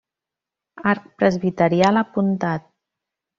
Arc presbiteral apuntat.